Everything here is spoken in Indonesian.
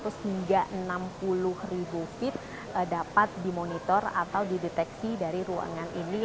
sehingga enam puluh feet dapat dimonitor atau dideteksi dari ruangan ini